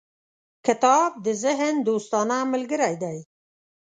• کتاب د ذهن دوستانه ملګری دی.